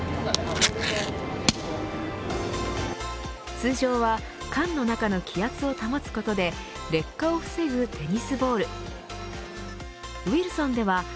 通常は缶の中の気圧を保つことで劣化を防ぐテニスボール。